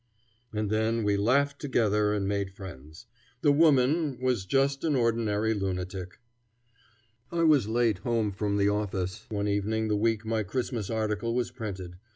And then we laughed together and made friends. The woman was just an ordinary lunatic. I was late home from the office one evening the week my Christmas article was printed.